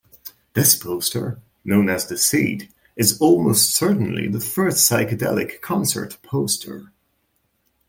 This poster-known as "The Seed"-is almost certainly the first psychedelic concert poster.